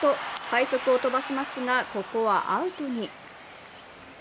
快足を飛ばしますが、ここはアウトに。